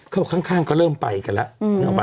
เขาข้างก็เริ่มไปกันแล้ว